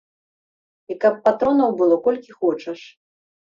І каб патронаў было колькі хочаш.